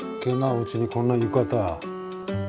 うちにこんな浴衣。